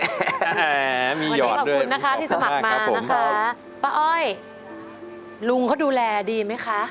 วันนี้ขอบคุณนะคะที่สมัครมานะคะป้าอ้อยลุงเขาดูแลดีไหมคะ